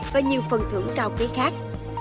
và nhiều phần thưởng cao kế khác